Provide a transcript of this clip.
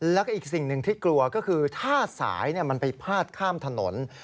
แล้วก็อีกสิ่งหนึ่งที่กลัวก็คือถ้าสายมันไปพาดข้ามถนน